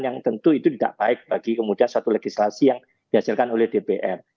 yang tentu itu tidak baik bagi kemudian satu legislasi yang dihasilkan oleh dpr